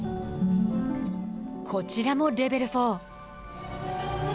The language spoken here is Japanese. こちらもレベル４。